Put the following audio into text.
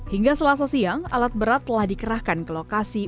hingga selasa siang alat berat telah dikerahkan ke lokasi